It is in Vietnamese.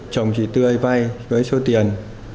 chồng chị tươi vay với số tiền